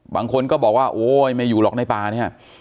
บางคนก็บอกว่าโอ๊ยไม่อยู่หรอกในป่าเนี่ย